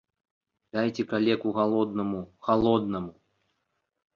Дайце калеку галоднаму, халоднаму!